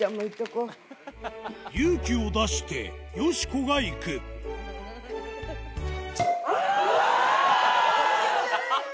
勇気を出してよしこがいくうぅ！